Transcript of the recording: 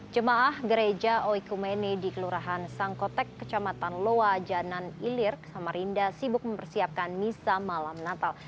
jemaah gereja oikumene di kelurahan sangkotek kecamatan loa janan ilir samarinda sibuk mempersiapkan misa malam natal